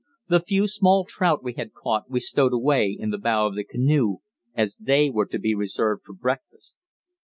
The few small trout we had caught we stowed away in the bow of the canoe, as they were to be reserved for breakfast.